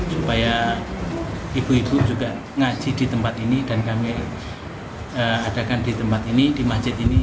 supaya ibu ibu juga ngaji di tempat ini dan kami adakan di tempat ini di masjid ini